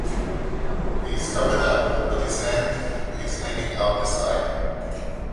He is covered up, but his hand is hanging out the side.